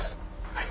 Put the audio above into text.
はい。